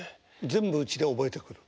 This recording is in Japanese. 全部うちで覚えてくる。